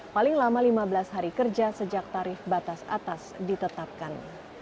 paling lama lima belas hari kerja sejak tarif batas atas ditetapkan